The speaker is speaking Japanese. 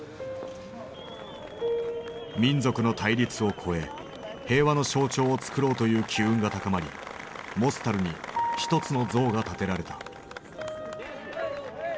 民族の対立を超え平和の象徴を作ろうという機運が高まりモスタルに一つの像が建てられた。